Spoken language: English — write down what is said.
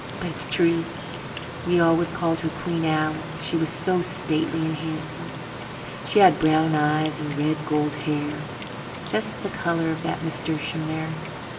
But it is true. We always called her Queen Alice she was so stately and handsome. She had brown eyes and red gold hair, just the colour of that nasturtium there.